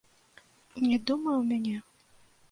І не думай у мяне!